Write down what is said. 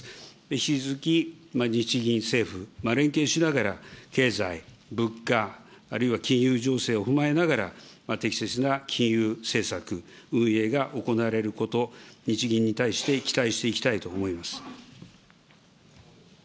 引き続き、日銀・政府、連携しながら、経済、物価、あるいは金融情勢を踏まえながら、適切な金融政策、運営が行われること、日銀に対して期待していきたいと思います。